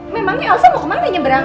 memangnya elsa mau kemana nyebrang